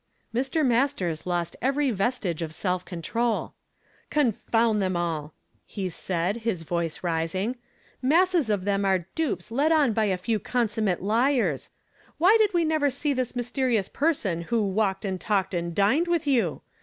'' Mr. Mastei s lost every vestige of self control "Confound them all !" he said, his voice rising "masses of them are dupes led on by a few con summate liars. Why did we never see this mys terious person who 'walked and talked and dined ' with you